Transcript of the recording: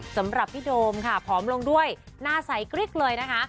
สำหรับพี่โดมค่ะผอมลงด้วยหน้าใสกริ๊กเลยนะคะ